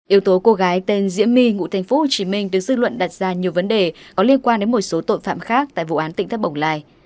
yếu tố cô gái tên diễm my ngụ thành phố hồ chí minh được dư luận đặt ra nhiều vấn đề có liên quan đến một số tội phạm khác tại vụ án tỉnh thất bồng lai